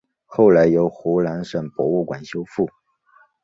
后来由湖南省博物馆修复。